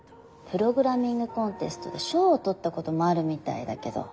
プログラミング・コンテストで賞を取ったこともあるみたいだけど。